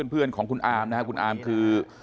เพื่อนของคุณอามนะครับคุณอาร์มคือ